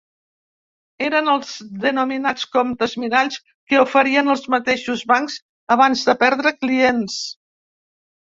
Eren els denominats “comptes mirall” que oferien els mateixos bancs abans de perdre clients.